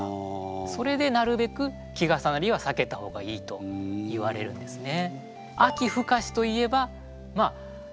それでなるべく季重なりはさけた方がいいといわれるんですね。